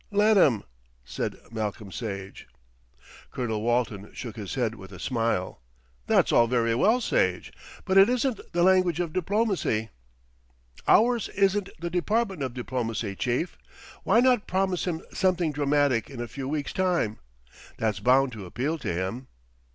"Let him," said Malcolm Sage. Colonel Walton shook his head with a smile. "That's all very well, Sage; but it isn't the language of diplomacy." "Ours isn't the department of diplomacy, chief. Why not promise him something dramatic in a few weeks' time? That's bound to appeal to him."